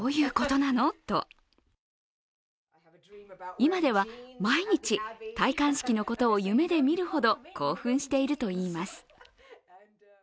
今では毎日、戴冠式のことを夢で見るほど興奮しているといいます。